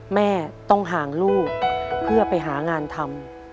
แม่ต้องห่างลูกเพื่อไปหางานทำ